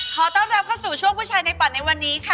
ขอต้อนรับเข้าสู่ช่วงผู้ชายในฝันในวันนี้ค่ะ